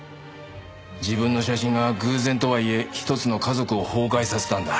自分の写真が偶然とはいえひとつの家族を崩壊させたんだ。